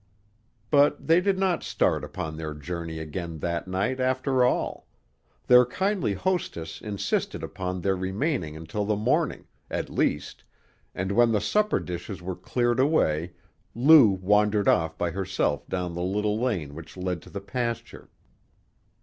But they did not start upon their journey again that night, after all. Their kindly hostess insisted upon their remaining until the morning, at least, and when the supper dishes were cleared away Lou wandered off by herself down the little lane which led to the pasture.